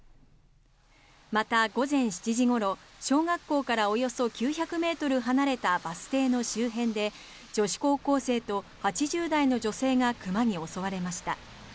また、午前７時ごろ小学校からおよそ９００ｍ離れたバス停の周辺で女子高校生と８０代の女性が熊に襲われました。